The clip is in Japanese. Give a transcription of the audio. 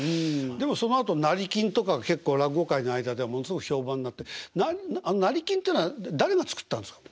でもそのあと成金とか結構落語界の間でものすごく評判になってあの成金ってのは誰が作ったんですか？